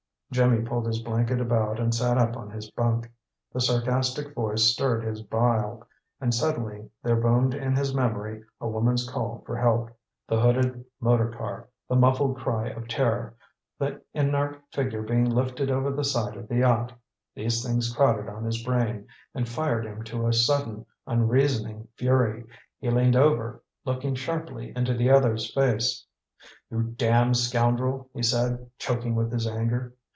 Jimmy pulled his blanket about and sat up on his bunk. The sarcastic voice stirred his bile, and suddenly there boomed in his memory a woman's call for help. The hooded motor car, the muffled cry of terror, the inert figure being lifted over the side of the yacht these things crowded on his brain and fired him to a sudden, unreasoning fury. He leaned over, looking sharply into the other's face. "You damned scoundrel!" he said, choking with his anger.